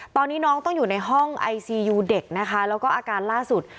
ตอนนี้น้องต้องอยู่ในห้องไอซียูเด็กนะคะแล้วก็อาการล่าสุด